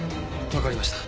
わかりました。